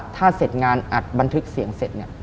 ถ้าเสร็จงานอัดบันทึกเสียงเสร็จเนี่ย